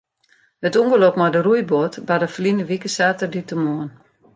It ûngelok mei de roeiboat barde ferline wike saterdeitemoarn.